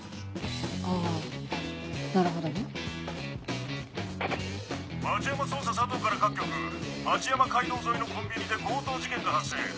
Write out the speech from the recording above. あぁなるほどね。町山捜査佐藤から各局町山街道沿いのコンビニで強盗事件が発生。